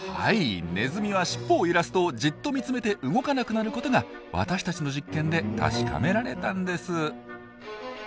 ネズミはしっぽを揺らすとじっと見つめて動かなくなることが私たちの実験で確かめられたんです。